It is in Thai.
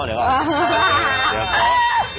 หรือว่า